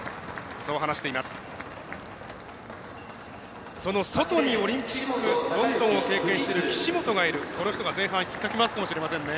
その外にオリンピックロンドンを経験している岸本がいる、この人が前半、ひっかき回すかもしれませんね。